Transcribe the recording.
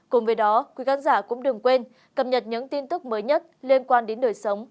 cùng với đó quý khán giả cũng đừng quên cập nhật những tin tức mới nhất liên quan đến đời sống